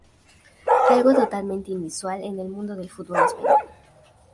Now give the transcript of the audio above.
Algo totalmente inusual en el mundo del fútbol español.